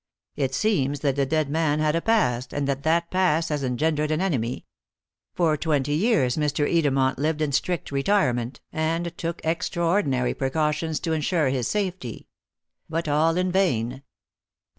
It seems that the dead man had a past, and that that past had engendered an enemy. For twenty years Mr. Edermont lived in strict retirement, and took extraordinary precautions to ensure his safety. But all in vain.